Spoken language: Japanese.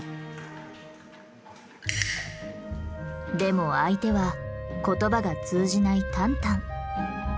でも相手は言葉が通じないタンタン。